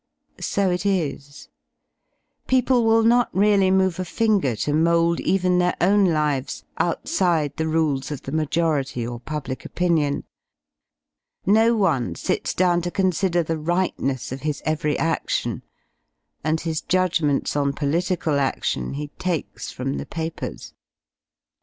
So it is. People will not really move a finger to mould even their own lives outside the rules of the majority or public opinion. No one sits down to consider the rightness of his every adlion, and his judgments on political a6lion he 1 takes from the papers.